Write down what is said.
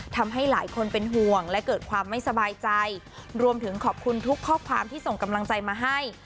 ทำให้หลายคนเป็นห่วงและเกิดความไม่สบายใจรวมถึงขอบคุณทุกข้อความที่ส่งกำลังใจมาให้